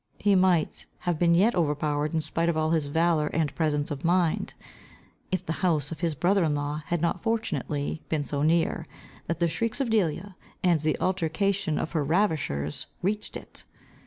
He might have been yet overpowered in spite of all his valour and presence of mind, if the house of his brother in law, had not fortunately been so near, that the shrieks of Delia, and the altercation of her ravishers reached it.